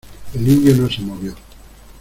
el indio no se movió.